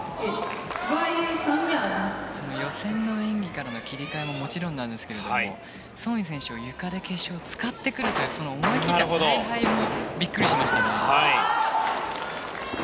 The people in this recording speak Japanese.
予選の演技からの切り替えも、もちろんですがソン・イ選手をゆかで決勝で使ってくるという思い切った采配もびっくりしましたね。